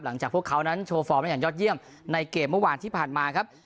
พวกเขานั้นโชว์ฟอร์มได้อย่างยอดเยี่ยมในเกมเมื่อวานที่ผ่านมาครับ